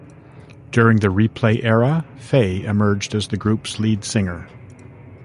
During the Replay era, Faye emerged as the group's lead singer.